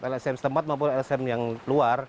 lsm setempat maupun lsm yang luar